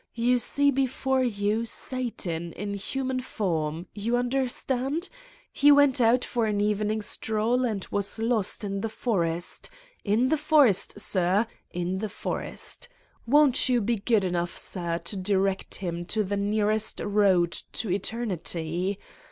You see before you Satan in human form ... you understand? He went out for an evening stroll and was lost in the forest ... in the forest, sir, in the forest! Won't you be good enough, sir, to direct him to the near est road to Eternity?